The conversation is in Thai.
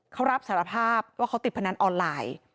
เขารับสารภาพว่าเขาติดพนันออนไลน์